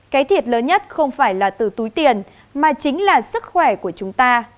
cái thiệt lớn nhất không phải là từ túi tiền mà chính là sức khỏe của chúng ta